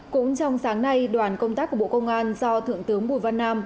cũng trong sáng nay đoàn công tác của bộ công an do thượng tướng bùi văn nam